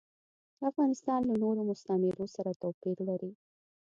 افغانستان له نورو مستعمرو سره توپیر لري.